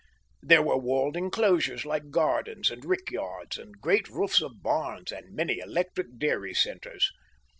There were walled enclosures like gardens and rickyards and great roofs of barns and many electric dairy centres.